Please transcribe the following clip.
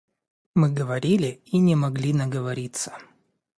Мы говорили и не могли наговориться.